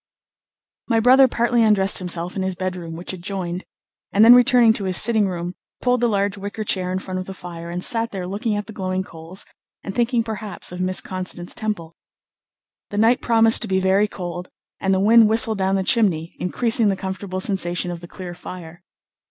My brother partly undressed himself in his bedroom, which adjoined, and then returning to his sitting room, pulled the large wicker chair in front of the fire, and sat there looking at the glowing coals, and thinking perhaps of Miss Constance Temple. The night promised to be very cold, and the wind whistled down the chimney, increasing the comfortable sensation of the clear fire.